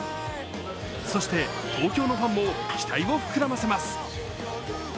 そして東京のファンも期待を膨らませます。